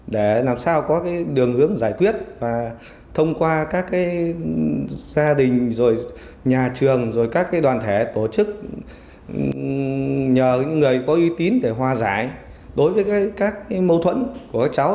để làm sao có đường hướng giải quyết và thông qua các gia đình rồi nhà trường rồi các đoàn thể tổ chức nhờ những người có uy tín để hòa giải đối với các mâu thuẫn của các cháu